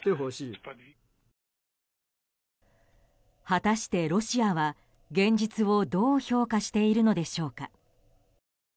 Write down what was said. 果たして、ロシアは現実をどう評価しているのでしょうか。